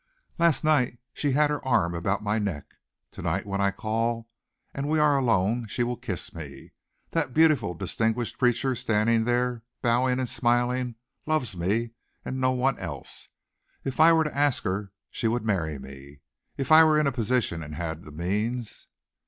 "Last night she had her arms about my neck. Tonight when I call and we are alone she will kiss me. That beautiful, distinguished creature standing there bowing and smiling loves me and no one else. If I were to ask her she would marry me if I were in a position and had the means."